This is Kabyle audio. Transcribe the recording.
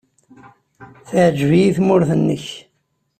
Teɛjeb-iyi tmurt-nnek.